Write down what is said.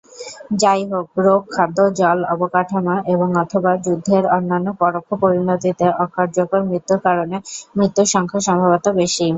যাইহোক, "রোগ, খাদ্য, জল, অবকাঠামো, এবং/অথবা যুদ্ধের অন্যান্য পরোক্ষ পরিণতিতে অকার্যকর মৃত্যুর কারণে মৃত্যুর সংখ্যা সম্ভবত বেশি।"